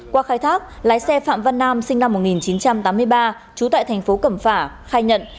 qua khai thác lái xe phạm văn nam sinh năm một nghìn chín trăm tám mươi ba trú tại thành phố cẩm phả khai nhận